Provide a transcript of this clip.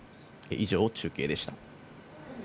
以上、中継でした。